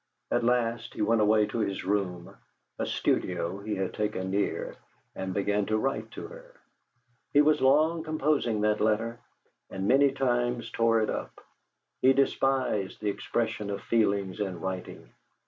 At last he went away to his room a studio he had taken near and began to write to her. He was long composing that letter, and many times tore it up; he despised the expression of feelings in writing.